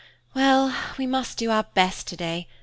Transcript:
"Well, we must do our best to day.